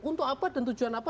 untuk apa dan tujuan apa